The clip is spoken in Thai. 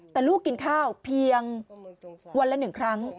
แต่ลูกกินข้าวเพียงวันละ๑ครั้ง